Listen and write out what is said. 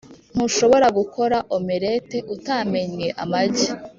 ntushobora gukora omelette utamennye amagi